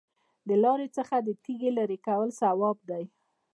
د لارې څخه د تیږې لرې کول ثواب دی.